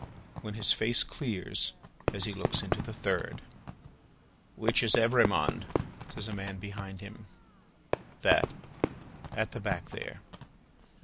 when his face clears, as he looks into the third. "Which is Evrémonde?" says a man behind him. "That. At the back there."